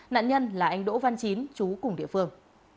nạn nhân là anh đỗ văn chín chú cùng địa phương